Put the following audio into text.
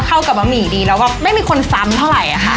เข้ากับบะหมี่ดีแล้วแบบไม่มีคนซ้ำเท่าไหร่ค่ะ